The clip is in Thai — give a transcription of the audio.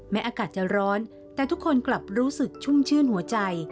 อากาศจะร้อนแต่ทุกคนกลับรู้สึกชุ่มชื่นหัวใจ